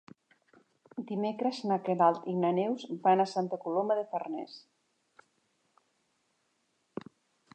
Dimecres na Queralt i na Neus van a Santa Coloma de Farners.